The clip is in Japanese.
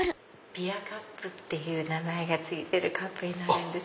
ビアカップっていう名前が付いてるカップです。